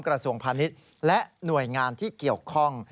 กระทรวงพาณิชย์และหน่วยงานที่เกี่ยวข้อง